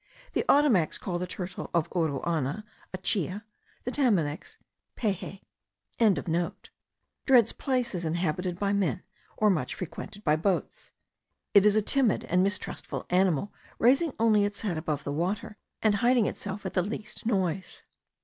The Ottomacs call the turtle of Uruana, achea; the Tamanacs, peje.)) dreads places inhabited by men, or much frequented by boats. It is a timid and mistrustful animal, raising only its head above the water, and hiding itself at the least noise.